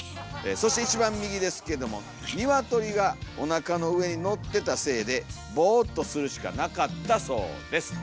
そして一番右ですけども鶏がおなかの上にのってたせいでボーっとするしかなかったそうです。